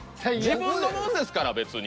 自分のもんですから別に。